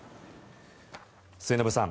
末延さん